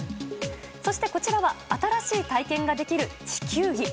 そしてこちらは新しい体験ができる地球儀。